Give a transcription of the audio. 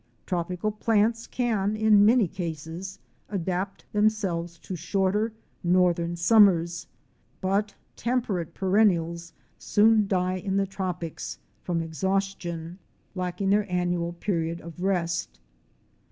Tropi cal plants?can in many casts' adapt themselves to shorter, northern summers, but temperate perennials soon die in the tropics from exhaustion, lacking their annual period of rest.